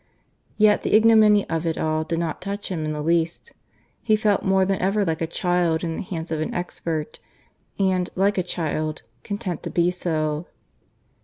Yet the ignominy of it all did not touch him in the least. He felt more than ever like a child in the hands of an expert, and, like a child, content to be so.